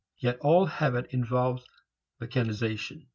Yet all habit involves mechanization.